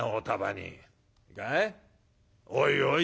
『おいおい』